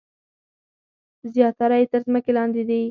زیاتره یې تر ځمکې لاندې دي.